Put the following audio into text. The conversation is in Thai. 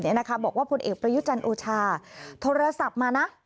มีนะคะบอกว่าพูดเอกประยุจนโอชาโทรศัพท์มานะ